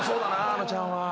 あのちゃんは。